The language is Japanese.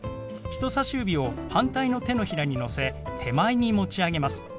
人さし指を反対の手のひらにのせ手前に持ち上げます。